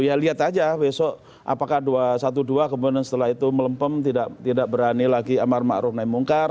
ya lihat aja besok apakah dua ratus dua belas kemudian setelah itu melempem tidak berani lagi amar ⁇ maruf ⁇ naik mungkar